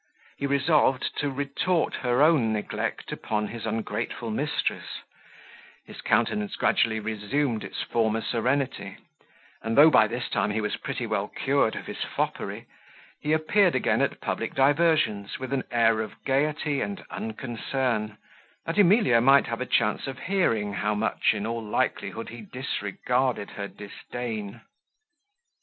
He resolved to retort her own neglect upon her ungrateful mistress; his countenance gradually resumed its former serenity; and though by this time he was pretty well cured of his foppery, he appeared again at public diversions with an air of gaiety and unconcern, that Emilia might have a chance of hearing how much, in all likelihood, he disregarded her disdain.